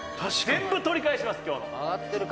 「全部取り返します今日の」